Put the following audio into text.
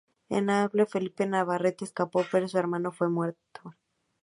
En el camino Felipe Navarrete escapó, pero su hermano fue muerto.